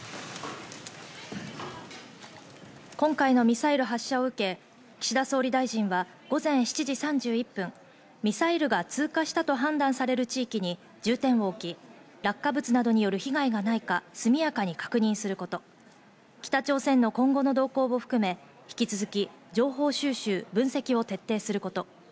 今回のミサイル発射を受け岸田総理大臣は午前７時３１分、ミサイルが通過したと判断される地域に重点を置き、落下物等による被害がないか速やかに確認すること、北朝鮮の今後の動向を含め、引き続き情報収集・分析を徹底すること。